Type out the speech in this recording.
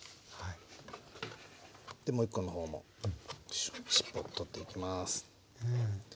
でもう１コの方もしっぽを取っていきます。